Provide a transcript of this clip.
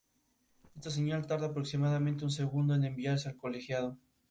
Esta señal tarda aproximadamente un segundo en enviarse al colegiado.